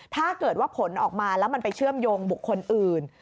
ถ้าเกิดว่าผลออกมาแล้วมันไปเชื่อมโยงบุคคลอื่น